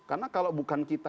karena kalau bukan kita